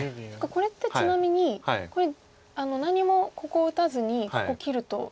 これってちなみに何にもここ打たずにここ切るとどうですか？